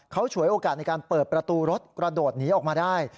เขาฉวยโอกาสในการเปิดประตูรถกระโดดหนีออกมาได้